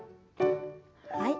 はい。